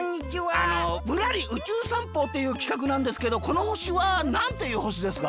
あの「ぶらり宇宙さんぽ」っていうきかくなんですけどこのほしはなんというほしですか？